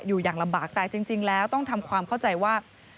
อยู่อย่างลำบากแต่จริงแล้วต้องทำความเข้าใจว่า